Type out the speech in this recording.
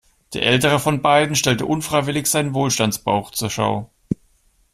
Der ältere von beiden stellte unfreiwillig seinen Wohlstandsbauch zur Schau.